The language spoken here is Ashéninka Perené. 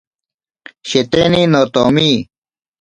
Sheteni notomi.